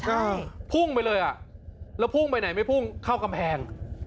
อ่าพุ่งไปเลยอ่ะแล้วพุ่งไปไหนไม่พุ่งเข้ากำแพง